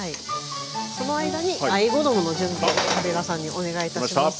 その間にあえ衣の準備をカビラさんにお願いいたします。